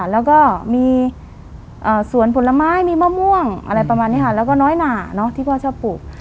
แล้วก็มีสวนผลไม้มีมะม่วงอะไรประมาณนี้ค่ะแล้วก็น้อยหนาที่พ่อชอบปลูก